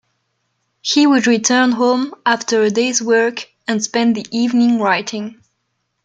He would return home after a day's work and spend the evening writing.